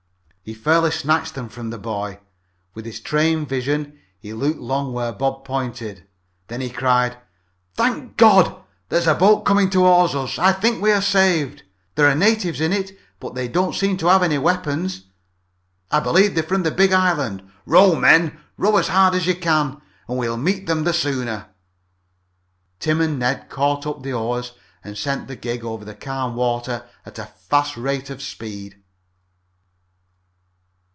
He fairly snatched them from the boy. With his trained vision he looked long where Bob pointed. Then he cried: "Thank God! There's a boat coming toward us. I think we're saved! There are natives in it, but they don't seem to have any weapons! I believe they're from the big island. Row, men, row as hard as you can and we'll meet them the sooner!" Tim and Ned caught up the oars and sent the gig over the calm water at a fast rate of speed.